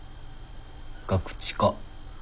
ガクチカ。